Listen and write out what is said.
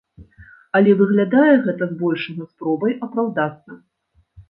Але выглядае гэта збольшага спробай апраўдацца.